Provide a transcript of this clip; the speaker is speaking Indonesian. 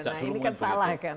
nah ini kan salah kan